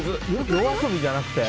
ＹＯＡＳＯＢＩじゃなくて？